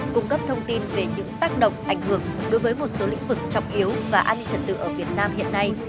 cung cấp thông tin về những tác động ảnh hưởng đối với một số lĩnh vực trọng yếu và an ninh trật tự ở việt nam hiện nay